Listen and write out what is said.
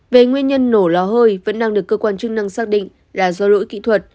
về nguyên nhân nổ lò hơi vẫn đang được cơ quan chức năng xác định là do lỗi kỹ thuật